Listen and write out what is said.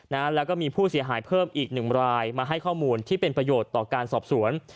นะแล้วก็มีผู้เสียหายเพิ่มอีกหนึ่งรายมาให้ข้อมูลที่เป็นประโยชน์ต่อการสอบสวน